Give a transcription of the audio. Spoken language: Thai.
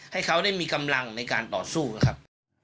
ให้เขาได้มีกำลังในการต่อสู้นะครับ